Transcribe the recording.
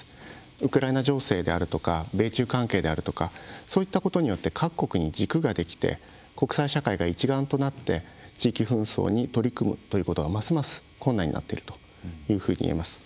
ウクライナ情勢であるとか米中関係であるとかそういったことによって各国に軸ができて国際社会が一丸となって地域紛争に取り組むということがますます困難になっているといえます。